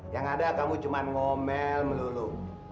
yang ada kamu cuma ngomel melulu